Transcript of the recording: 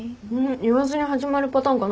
言わずに始まるパターンかな。